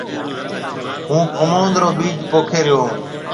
هُون ڪموُند رو ٻِيج پوکي ريو هون۔